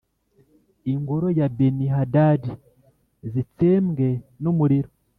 ingoro za Beni‐Hadadi zitsembwe n’umuriro ;